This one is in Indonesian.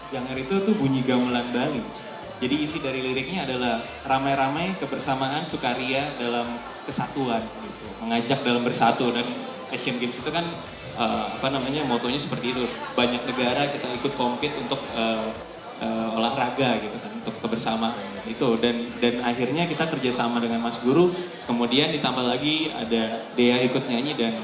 sama dengan mas guru kemudian ditambah lagi ada dea ikut nyanyi dan puzzle terakhir ada ariel noah juga ikut nyanyi untuk janger persahabatan